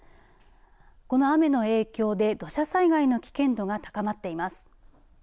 この雨の影響で土砂災害の危険度が高まっています。